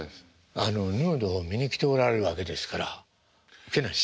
ヌードを見に来ておられるわけですからウケない。